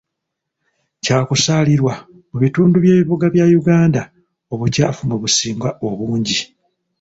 Kyakusaalirwa mu bitundu by'ebibuga bya Uganda obukyafu mwe businga obungi